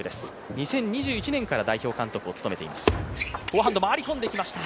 ２０２１年から代表監督を務めています。